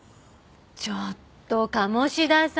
ちょっと鴨志田さん